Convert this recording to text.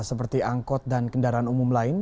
seperti angkot dan kendaraan umum lain